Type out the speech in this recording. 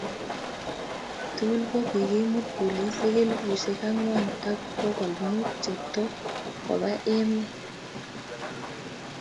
tugul ko kikimut polisiek elfusiek ang'wan ak pokol mut che too koba emet.